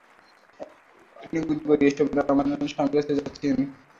নিকুচি করি এসবের, আমার স্বামীর কাছে যাচ্ছি আমি!